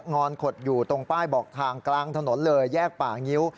อนขดอยู่ตรงป้ายบอกทางกลางถนนเลยแยกป่างิ้ว